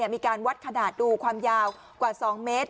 มีการวัดขนาดดูความยาวกว่า๒เมตร